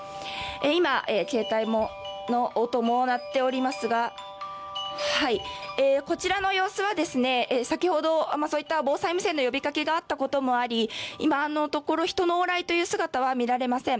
今、携帯の音も鳴っておりますがこちらの様子は、防災無線の呼びかけがあったこともあり今のところ、人の往来という姿は見られません。